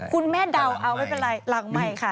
คุณแม่เดาเอาไม่เป็นไรหลังใหม่ค่ะ